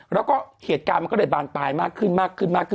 แล้วก็เหตุการณ์มันก็เลยบาลตายมากขึ้น